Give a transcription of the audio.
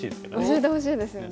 教えてほしいですよね。